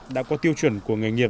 đã có tiêu chuẩn của nghề nghiệp